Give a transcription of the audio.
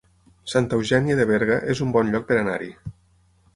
Santa Eugènia de Berga es un bon lloc per anar-hi